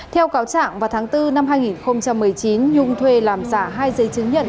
theo cáo trạng vào tháng bốn năm hai nghìn một mươi chín nhung thuê làm giả hai giấy chứng nhận